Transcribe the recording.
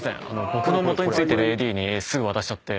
僕の下についてるＡＤに渡しちゃって。